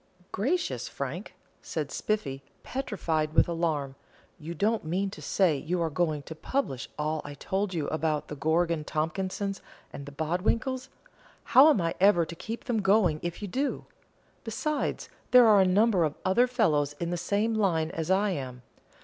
"Gracious, Frank," said Spiffy, petrified with alarm, "you don't mean to say you are going to publish all I told you about the Gorgon Tompkinses and the Bodwinkles? How am I ever to keep them going if you do? Besides, there are a number of other fellows in the same line as I am.